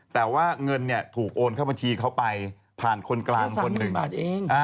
แต่ว่าเงินเนี่ยถูกโอนเข้าบัญชีเขาไปผ่านคนกลางคนหนึ่ง